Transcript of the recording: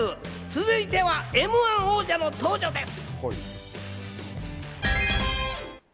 続いてはＭ−１王者の登場です。